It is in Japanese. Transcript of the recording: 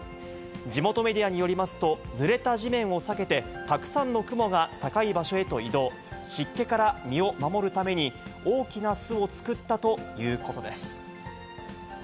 地元メディアによりますと、ぬれた地面を避けてたくさんのクモが高い場所へと移動、湿気から身を守るために、大きな巣を作ったということです。